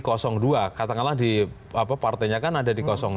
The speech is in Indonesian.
katakanlah di partainya kan ada di dua